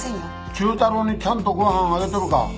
忠太郎にちゃんとご飯あげてるか？